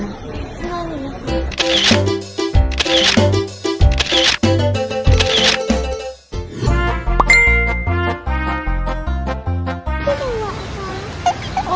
ไม่รู้